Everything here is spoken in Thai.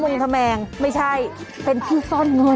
อยู่นี่หุ่นใดมาเพียบเลย